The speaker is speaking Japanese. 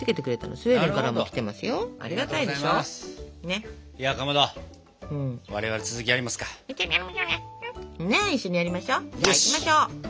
じゃあ行きましょう。